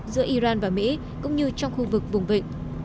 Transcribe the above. giữa iran và mỹ cũng như trong khu vực vùng vịnh